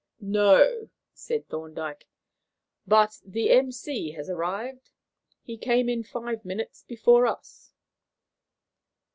"No," said Thorndyke, "but the M.C. has arrived. He came in five minutes before us."